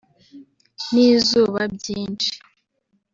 n’izuba byinshi